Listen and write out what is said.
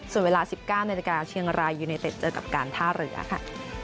ส่วนเวลา๑๙นาฬิกาเชียงรายยูเนเต็ดเจอกับการท่าเรือค่ะ